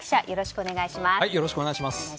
よろしくお願いします。